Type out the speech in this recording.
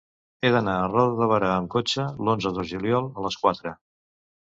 He d'anar a Roda de Berà amb cotxe l'onze de juliol a les quatre.